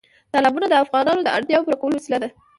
تالابونه د افغانانو د اړتیاوو پوره کولو وسیله ده.